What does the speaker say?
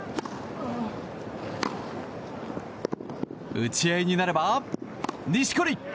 打ち合いになれば、錦織！